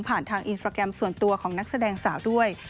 ทางอินสตราแกรมส่วนตัวของนักแสดงสาวด้วย